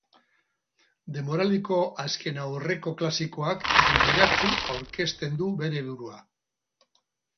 Denboraldiko azkenaurreko klasikoak distiratsu aurkezten du bere burua.